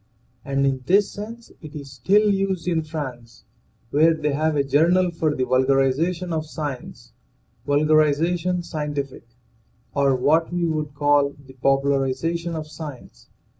And in this sense it is still used in France, where they have a journal for the vulgarization of science (" Vulgarisation Scientifique ")> or what we would call the popularization of science.